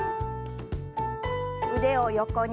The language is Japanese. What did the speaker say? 腕を横に。